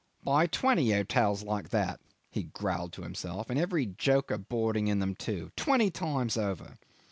"Buy twenty hotels like that," he growled to himself; "and every joker boarding in them too twenty times over."